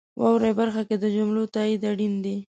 واورئ برخه کې د جملو تایید اړین دی.